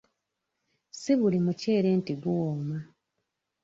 Si buli muceere nti guwooma.